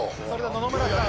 野々村さん